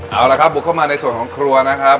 เอาละครับบุกเข้ามาในส่วนของครัวนะครับ